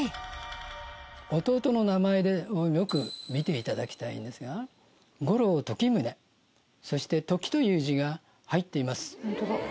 弟の名前でよく見て頂きたいんですが五郎時致そして「時」という字が入っています。